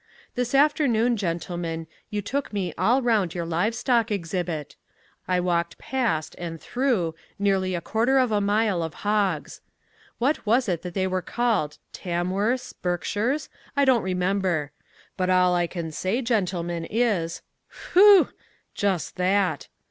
This afternoon, gentlemen, you took me all round your live stock exhibit. I walked past, and through, nearly a quarter of a mile of hogs. What was it that they were called Tamworths Berkshires? I don't remember. But all I can say, gentlemen, is, phew! Just that.